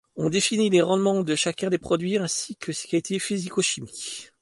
On définit les rendements de chacun des produits ainsi que ses qualités physico-chimiques.